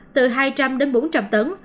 từ hai trăm linh bốn trăm linh tấn